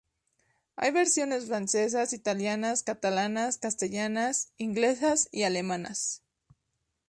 Hay versiones francesas, italianas, catalanas, castellanas, inglesas y alemanas.